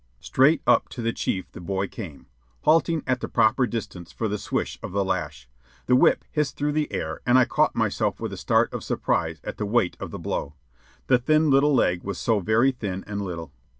Straight up to the chief the boy came, halting at the proper distance for the swing of the lash. The whip hissed through the air, and I caught myself with a start of surprise at the weight of the blow. The thin little leg was so very thin and little.